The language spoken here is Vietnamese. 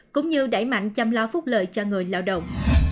cũng như đẩy mạnh chăm lo phúc lợi cho người lao động